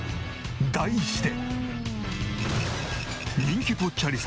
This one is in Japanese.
題して。